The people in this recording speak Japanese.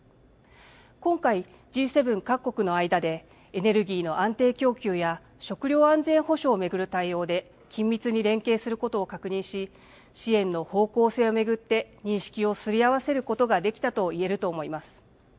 今回、Ｇ７各国の間で、エネルギーの安定供給や、食料安全保障を巡る対応で、緊密に連携することを確認し、支援の方向性を巡って、認識をすり合わせることができたと言えると思います。